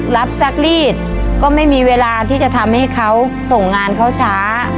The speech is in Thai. ซักรีดก็ไม่มีเวลาที่จะทำให้เขาส่งงานเขาช้า